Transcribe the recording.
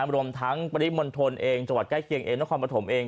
รวมทั้งปริมณฑลเองจังหวัดใกล้เคียงเองนครปฐมเอง